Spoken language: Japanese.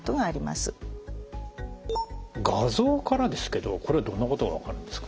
画像からですけどこれどんなことが分かるんですか。